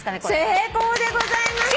成功でございます。